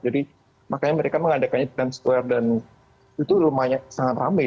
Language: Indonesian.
jadi makanya mereka mengadakannya di times square dan itu lumayan sangat ramai